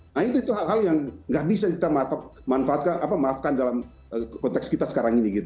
nah itu hal hal yang nggak bisa kita manfaatkan dalam konteks kita sekarang ini gitu